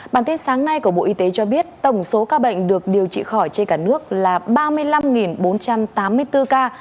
bản tin sáng nay của bộ y tế cho biết tổng số ca bệnh được điều trị khỏi trên cả nước là ba mươi năm bốn trăm tám mươi bốn ca